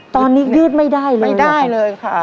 ตอนนี้ยืดไม่ได้เลยหรือครับไม่ได้เลยค่ะ